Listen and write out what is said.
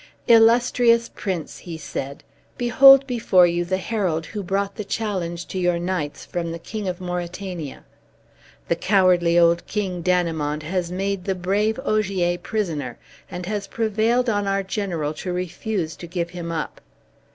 "Illustrious prince," he said, "behold before you the herald who brought the challenge to your knights from the King of Mauritania. The cowardly old King Dannemont has made the brave Ogier prisoner, and has prevailed on our general to refuse to give him up.